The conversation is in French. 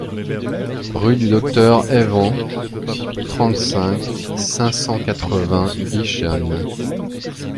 Rue du Docteur Even, trente-cinq, cinq cent quatre-vingts Guichen